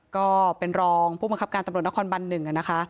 ก็เป็นรองผู้บังคับการตำรวจนครบัน๑นะคะ